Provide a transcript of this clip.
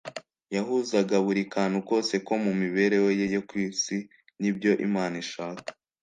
yahuzaga buri kantu kose ko mu mibereho ye yo ku isi n’ibyo Imana ishaka.